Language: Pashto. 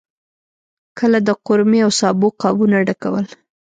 کله د قورمې او سابو قابونه ډکول.